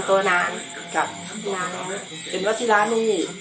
ผมอาจจะถูก๒ตัวมานานมาก